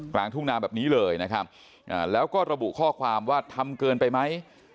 กลางทุ่งนาแบบนี้เลยนะครับแล้วก็ระบุข้อความว่าทำเกินไปไหม